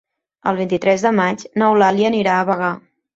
El vint-i-tres de maig n'Eulàlia anirà a Bagà.